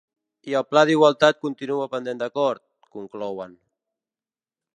I el pla d’igualtat continua pendent d’acord, conclouen.